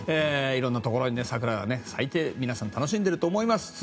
いろんなところに桜が咲いて皆さんも楽しんでいると思います。